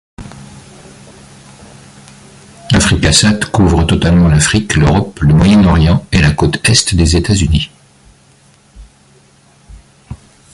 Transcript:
Africa Sat couvre totalement l'Afrique, l'Europe, le Moyen-Orient, et la côte est des États-Unis.